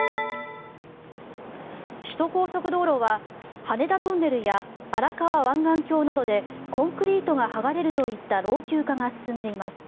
首都高速道路は羽田トンネルや荒川湾岸橋などでコンクリートが剥がれるといった老朽化が進んでいます。